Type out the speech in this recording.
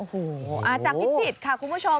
โอ้โหจากพิจิตรค่ะคุณผู้ชม